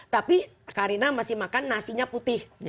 tapi karina masih makan nasinya putih